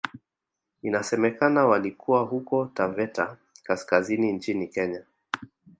Inasemekana walikuwa huko Taveta kaskazini nchini Kenya